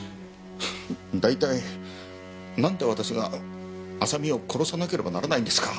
大体なんで私が亜沙美を殺さなければならないんですか。